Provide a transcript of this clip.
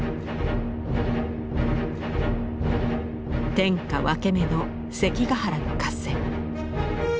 天下分け目の関ヶ原の合戦。